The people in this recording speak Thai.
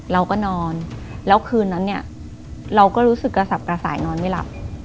เราก็นอนแล้วคืนนั้นเนี่ยเราก็รู้สึกกระสับกระสายนอนไม่หลับ